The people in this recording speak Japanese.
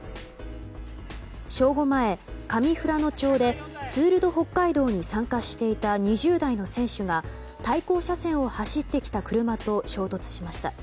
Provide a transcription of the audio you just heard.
正午前、上富良野町でツール・ド・北海道に参加していた２０代の選手が対向車線を走ってきた車と衝突しました。